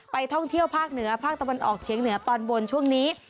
ท่องเที่ยวภาคเหนือภาคตะวันออกเฉียงเหนือตอนบนช่วงนี้